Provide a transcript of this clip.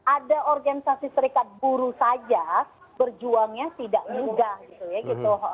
ada organisasi serikat buruh saja berjuangnya tidak mudah gitu ya gitu